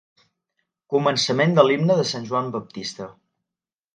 Començament de l'himne de Sant Joan Baptista.